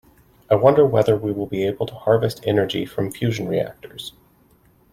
I wonder whether we will be able to harvest energy from fusion reactors.